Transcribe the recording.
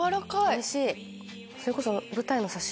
おいしい！